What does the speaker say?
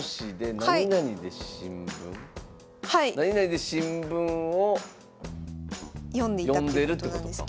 なになにで新聞を読んでるってことか。